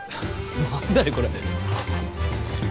何だいこれ。